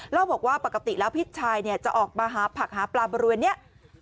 แล้วบอกว่าปกติแล้วพี่ชายเนี่ยจะออกมาหาผักหาปลาบรวยเนี่ย